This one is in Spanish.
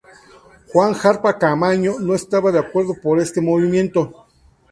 Juan Jarpa Caamaño no estaba de acuerdo por este movimiento.